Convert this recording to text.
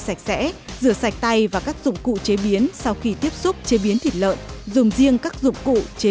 sống tay và các dụng cụ chế biến sau khi tiếp xúc chế biến thịt lợn dùng riêng các dụng cụ chế